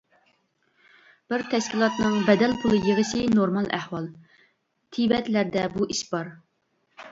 بىر تەشكىلاتنىڭ بەدەل پۇلى يىغىشى نورمال ئەھۋال، تىبەتلەردە بۇ ئىش بار.